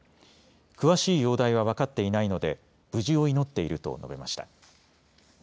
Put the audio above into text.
詳しい容体は分かっていないので無事を祈っていると述べました。